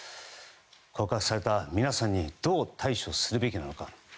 告白された皆さんにどう対処すべきなのか。